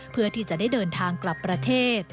เพื่อที่จะได้เดินทางกลับประเทศ